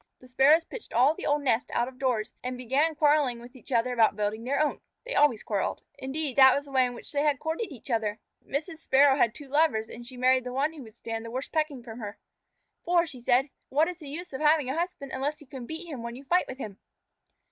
The Sparrows pitched all the old nest out of doors and began quarrelling with each other about building their own. They always quarrelled. Indeed, that was the way in which they had courted each other. Mrs. Sparrow had two lovers, and she married the one who would stand the worst pecking from her. "For," she said, "what is the use of having a husband unless you can beat him when you fight with him?"